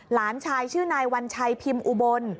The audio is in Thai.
หลานชายชื่อนายวัญชัยพิมพ์อุบล